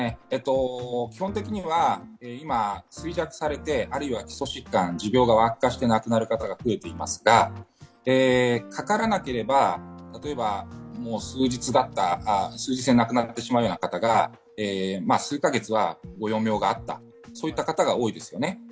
基本的には今、衰弱されてあるいは基礎疾患、持病が悪化して亡くなる方が増えていますがかからなければ数日で亡くなってしまうような方が数か月はご余命があった、そういった方が多いですよね。